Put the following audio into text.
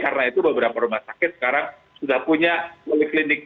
karena itu beberapa rumah sakit sekarang sudah punya poli klinik